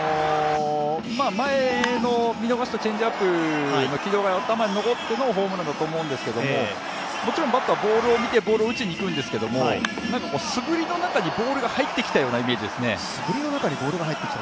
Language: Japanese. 前の見逃したチェンジアップの軌道が頭に残ってのホームランだと思うんですけどもちろんバッター、ボールを見てボールを打ちにいくんですけど、素振りの中にボールが入ってきたようなイメージですね。